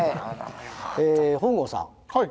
本郷さん